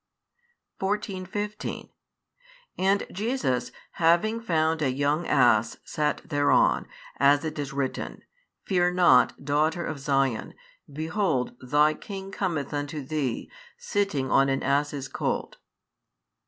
14, 15 And Jesus, having found a young ass, sat thereon; as it is written, Fear not, daughter of Zion: behold, thy King cometh unto thee, sitting on an ass's colt.